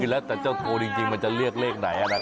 แล้วแต่เจ้าโทนจริงมันจะเลือกเลขไหน